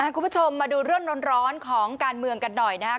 คุณผู้ชมมาดูเรื่องร้อนของการเมืองกันหน่อยนะครับ